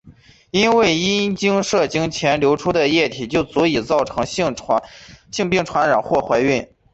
因为阴茎射精前流出的液体就足以造成性病传染或怀孕。